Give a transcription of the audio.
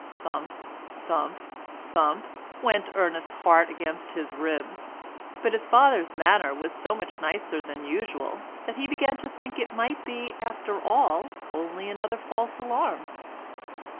Thump, thump, thump, went Ernest's heart against his ribs; but his father's manner was so much nicer than usual that he began to think it might be after all only another false alarm.